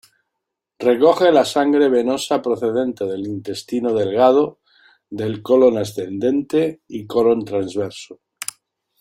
Recoge la sangre venosa procedente del intestino delgado, del colon ascendente y colon transverso.